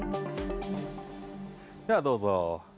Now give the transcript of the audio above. ではどうぞ。